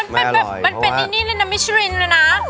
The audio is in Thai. มันเป็นอินนี่เลยนะมิชลินเลยนะ